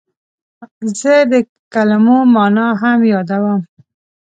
زه د کلمو مانا هم یادوم.